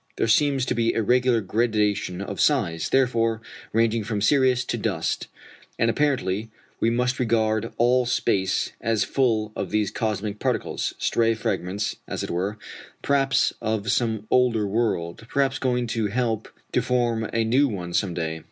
There seems to be a regular gradation of size, therefore, ranging from Sirius to dust; and apparently we must regard all space as full of these cosmic particles stray fragments, as it were, perhaps of some older world, perhaps going to help to form a new one some day.